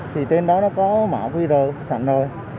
thì tên đó có mã qr sẵn rồi